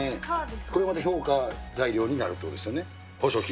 これまた評価材料になるということですよね。